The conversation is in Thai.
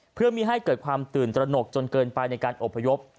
เพื่อไม่ให้เกิดความตื่นตระหนกจนเกินไปในการอบพยพ